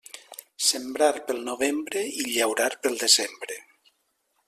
Sembrar pel novembre i llaurar pel desembre.